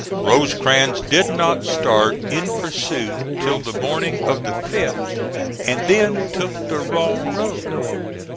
Rosecrans did not start in pursuit till the morning of the 5th and then took the wrong road.